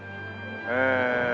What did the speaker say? ええ。